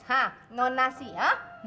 hah no nasi ya